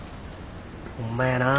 ホンマやな。